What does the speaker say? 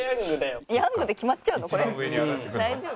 大丈夫？